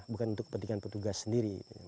bukan untuk kepentingan petugas sendiri